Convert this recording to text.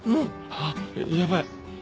あっやばい。